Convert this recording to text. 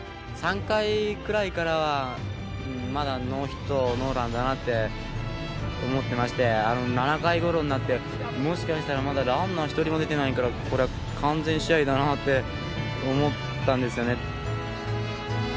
３回くらいからまだノーヒットノーランだなって思ってまして、７回ごろになってもしかしたらまだランナー１人も出てないからこりゃ、完全試合だなって思ったんですよね。